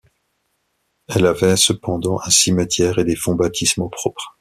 Elle avait cependant un cimetière et des fonts baptismaux propres.